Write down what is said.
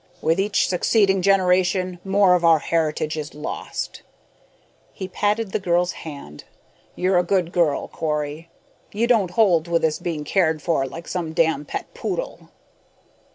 "With each succeeding generation, more of our heritage is lost." He patted the girl's hand. "You're a good girl, Corrie. You don't hold with this being cared for like some damn pet poodle."